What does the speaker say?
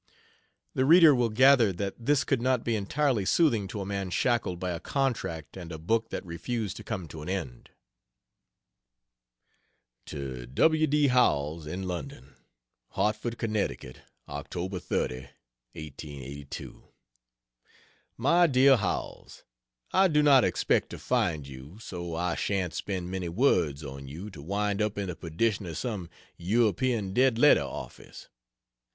The reader will gather that this could not be entirely soothing to a man shackled by a contract and a book that refused to come to an end. To W. D. Howells, in London: HARTFORD, CONN. Oct 30, 1882. MY DEAR HOWELLS, I do not expect to find you, so I shan't spend many words on you to wind up in the perdition of some European dead letter office.